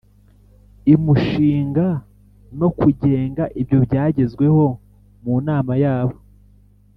imushinga no kugenga ibyo byagezweho munama yabo